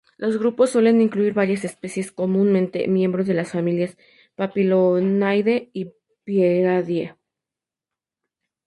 Los grupos suelen incluir varias especies, comúnmente miembros de las familias Papilionidae y Pieridae.